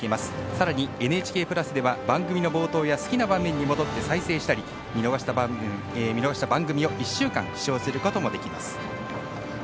さらに「ＮＨＫプラス」では番組の冒頭や好きな場面に戻って再生したり、見逃した番組を１週間視聴することもできます。